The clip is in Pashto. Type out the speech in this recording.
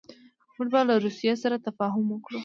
موږ به له روسیې سره تفاهم وکړو.